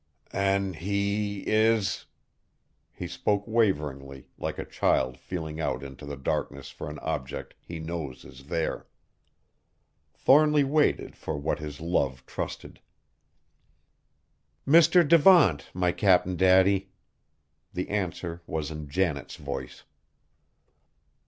"An' he is?" He spoke waveringly like a child feeling out into the darkness for an object he knows is there. Thornly waited for what his love trusted. "Mr. Devant, my Cap'n Daddy!" The answer was in Janet's voice.